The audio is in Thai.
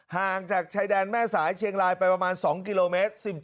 ห่างจากชายแดนแม่สายเชียงรายไปประมาณ๒กิโลเมตร